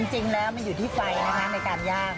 จริงแล้วมันอยู่ที่ไฟนะคะในการย่าง